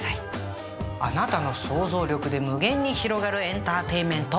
あなたの想像力で無限に広がるエンターテインメント。